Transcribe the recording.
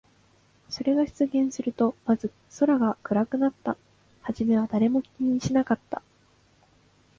それが出現すると、まず空が暗くなった。はじめは誰も気にしなかった。